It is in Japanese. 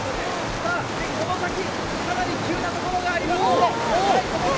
この先、かなり急なところがあります。